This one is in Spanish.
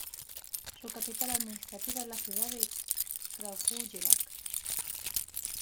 Su capital administrativa es la ciudad de Kragujevac.